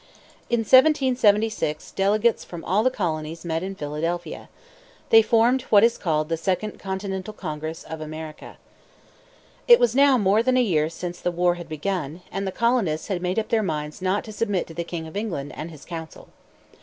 In 1776 delegates from all the colonies met in Philadelphia. They formed what is called the second Continental Congress of America. It was now more than a year since the war had begun, and the colonists had made up their minds not to submit to the king of England and his council.